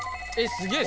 すげえ！